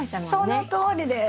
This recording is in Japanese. そのとおりです。